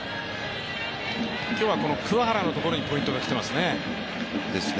今日はこの桑原のところにポイントがきてますね。